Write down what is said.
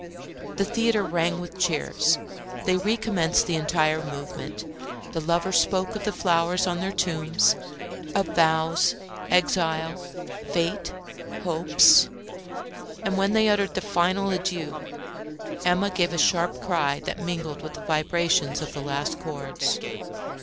The theatre rang with cheers; they recommenced the entire movement; the lovers spoke of the flowers on their tomb, of vows, exile, fate, hopes; and when they uttered the final adieu, Emma gave a sharp cry that mingled with the vibrations of the last chords.